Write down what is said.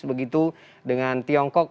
begitu dengan tiongkok